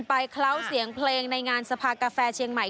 เคล้าเสียงเพลงในงานสภากาแฟเชียงใหม่